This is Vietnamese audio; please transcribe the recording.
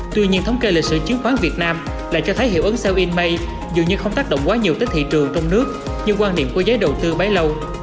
tuy nhiên thống kê lịch sử chứng khoán việt nam lại cho thấy hiệu ứng sale in may dù như không tác động quá nhiều tới thị trường trong nước nhưng quan điểm của giấy đầu tư bấy lâu